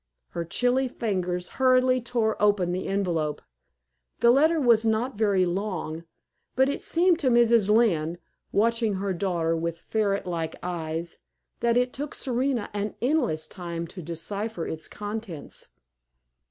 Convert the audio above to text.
Her chilly fingers hurriedly tore open the envelope. The letter was not very long, but it seemed to Mrs. Lynne, watching her daughter with ferret like eyes, that it took Serena an endless time to decipher its contents.